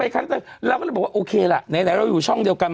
เกือบ๕ชั่วโมง